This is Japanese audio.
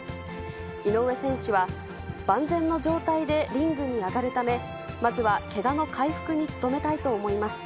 井上選手は、万全の状態でリングに上がるため、まずはけがの回復に努めたいと思います。